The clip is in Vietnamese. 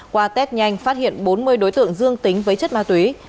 qua test nhanh phát hiện bốn mươi đối tượng dương tính với chất ma túy